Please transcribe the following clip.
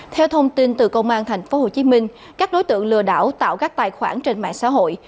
theo thông tin từ công an tp hcm các đối tượng lừa đảo tạo các tài khoản trên mạng xã hội